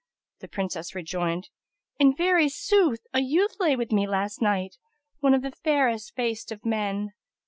The Princess rejoined, "In very sooth a youth lay with me last night, one of the fairest faced of men."